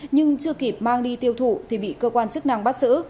nhưng chưa kịp mang đi tiêu thụ thì bị cơ quan chức năng bắt giữ